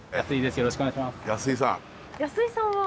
よろしくお願いします。